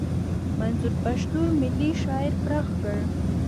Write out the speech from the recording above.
منظور پښتون ملي شعور پراخ کړ.